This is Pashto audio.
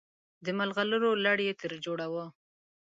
د ملغلرو لړ یې ترې جوړاوه.